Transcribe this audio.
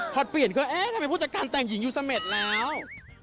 พอเปลี่ยนก็เอ๊ะทำไมผู้จัดการแต่งหญิงอยู่เสม็ดแล้ว